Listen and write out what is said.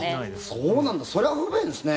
そうなんだそれは不便ですね。